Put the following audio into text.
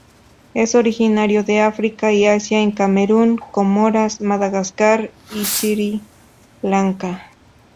Es originario de África y Asia en Camerún, Comoras, Madagascar y Sri Lanka.